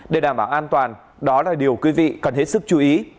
để đảm bảo an toàn đó là điều quý vị cần hết sức chú ý